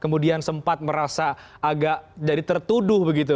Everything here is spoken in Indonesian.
kemudian sempat merasa agak jadi tertuduh begitu